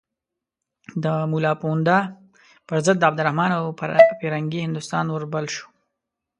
د ملا پوونده پر ضد د عبدالرحمن او فرنګي هندوستان اور بل شو.